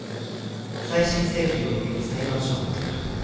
再審請求を受けて裁判所は認めた。